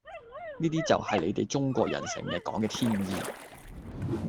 呢啲就係你地中國人成日講嘅天意